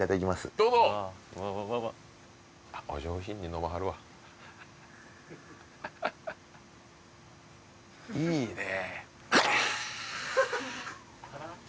どうぞお上品に飲まはるわいいねえ